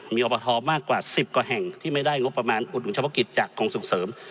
มีอบทมากกว่า๑๐กว่าแห่งที่ไม่ได้งบประมาณอุดหนุนเฉพาะกิจจากกรมส่งเสริม